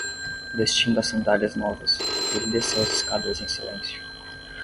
Vestindo as sandálias novas, ele desceu as escadas em silêncio.